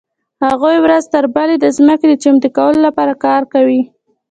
هغوی ورځ تر بلې د ځمکې د چمتو کولو لپاره کار کاوه.